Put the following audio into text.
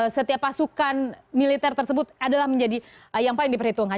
setiap pasukan militer tersebut adalah menjadi yang paling diperhitungkan